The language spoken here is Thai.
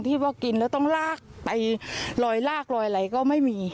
ที่ว่ากินแล้วต้องลากไปลอยลากลอยอะไรก็ไม่มี